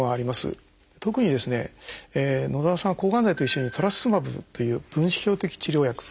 特に野澤さんは抗がん剤と一緒にトラスツズマブという分子標的治療薬。